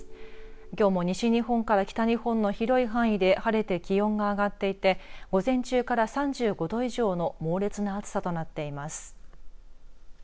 きょうも西日本から北日本の広い範囲で晴れて気温が上がっていて午前中から３５度以上の猛烈な暑さとなっています。